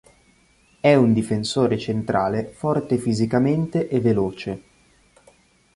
È un difensore centrale forte fisicamente e veloce.